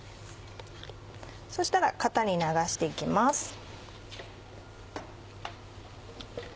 そしたら型に流して行きます。